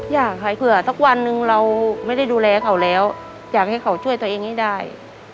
อยากให้เผื่อสักวันหนึ่งเราไม่ได้ดูแลเขาแล้วอยากให้เขาช่วยตัวเองให้ได้